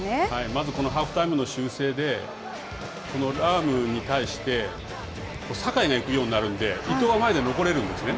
まずこのハーフタイムの修正で、このラウムに対して、酒井が行くようになるんで、伊東は前で残れるんですね。